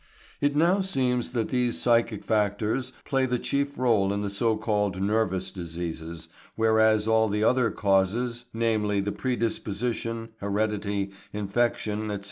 It now seems that these psychic factors play the chief role in the so called "nervous" diseases, whereas all the other "causes," namely, the predisposition, heredity, infection, etc.